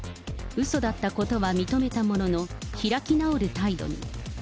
うそだったことは認めたものの、開き直る態度に。